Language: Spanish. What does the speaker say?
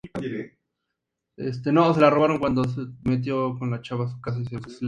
Las teorías relativas otorgan un fin ulterior a la pena, como prevenir futuros delitos.